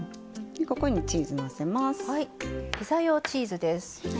ここにチーズのせます。